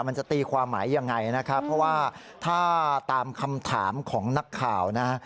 มันจะตีความหมายยังไงนะครับเพราะว่าถ้าตามคำถามของนักข่าวนะ